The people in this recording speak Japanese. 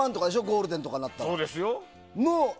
ゴールデンとかだったら。